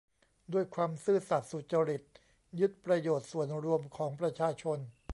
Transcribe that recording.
ด้วยความซื่อสัตย์ สุจริต ยึดประโยชน์ส่วนรวมของประชาชน